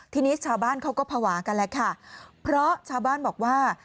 ทีนี้ชาวบ้านเขาก็ภาวะกันแหละค่ะเพราะชาวบ้านบอกว่า